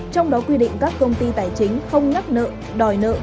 trong đó quy định các công ty tài chính không nhắc nợ đòi nợ